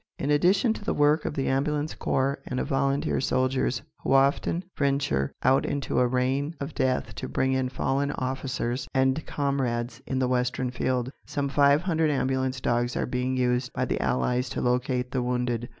In addition to the work of the ambulance corps and of volunteer soldiers who often venture out into a rain of death to bring in fallen officers and comrades in the western field, some five hundred ambulance dogs are being used by the Allies to locate the wounded.